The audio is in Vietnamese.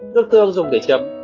nước tương dùng để chấm